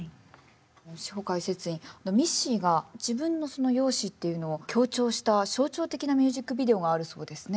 シホかいせついんミッシーが自分のその容姿っていうのを強調した象徴的なミュージックビデオがあるそうですね。